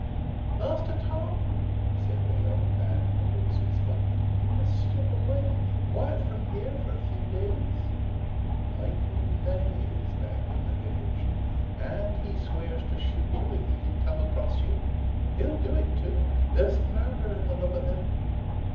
"Master Tom," said the old man in a hoarse whisper, "you must slip away quiet from here for a few days. Michael Ley is back in the village, an' he swears to shoot you if he can come across you. He'll do it, too, there's murder in the look of him.